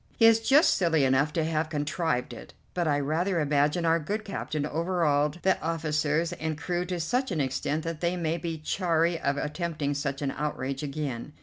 He is just silly enough to have contrived it, but I rather imagine our good captain overawed the officers and crew to such an extent that they may be chary of attempting such an outrage again.